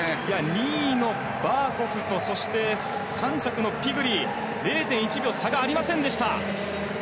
２位のバーコフと３着のピグリー０．１秒差がありませんでした。